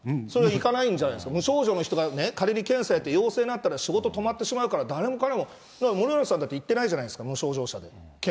それいかないんじゃないですか、無症状の人がね、仮に検査やって、陽性になったら、仕事止まってしまうから、誰もかれも、森永さんだって行ってないじゃないですか、無症状だから。